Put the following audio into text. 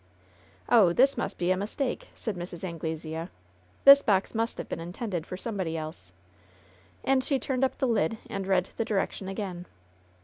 "Oh, this must be a mistake!" said Mrs. Anglesea. "This box must have been intended for somebody else.'* And she turned up the lid and read the direction again.